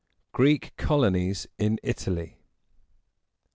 GREEK COLONIES IN ITALY.